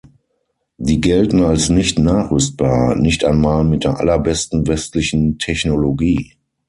Die gelten als nicht nachrüstbar, nicht einmal mit der allerbesten westlichen Technologie.